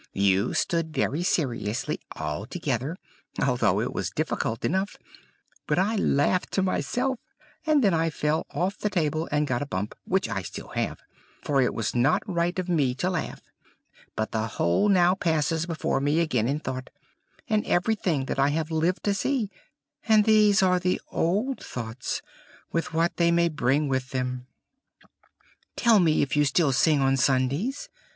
You stood very seriously all together, although it was difficult enough; but I laughed to myself, and then I fell off the table, and got a bump, which I have still for it was not right of me to laugh. But the whole now passes before me again in thought, and everything that I have lived to see; and these are the old thoughts, with what they may bring with them. "Tell me if you still sing on Sundays?